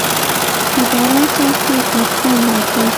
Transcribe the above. د باران څاڅکو غږ خوند راکړ.